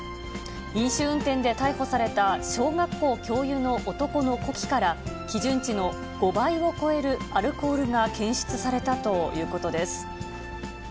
飲酒運転で逮捕された小学校教諭の男の呼気から、基準値の５倍を超えるアルコールが検出されたということです。